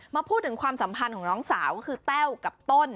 มาพูดถึงความสัมพันธ์ของน้องสาวก็คือแต้วกับต้น